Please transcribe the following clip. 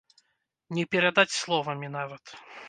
Не перадаць словамі нават.